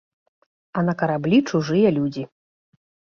А на караблі чужыя людзі.